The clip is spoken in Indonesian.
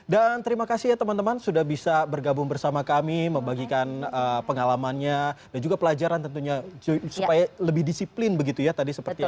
dan terima kasih ya teman teman sudah bisa bergabung bersama kami membagikan pengalamannya dan juga pelajaran tentunya supaya lebih disiplin begitu ya tadi seperti yang